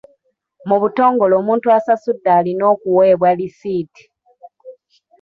Mu butongole omuntu asasudde alina okuweebwa lisiiti.